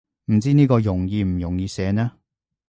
唔知呢個容易唔容易寫呢